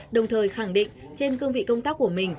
đồng thời khẳng định trên cương vị công tác của mình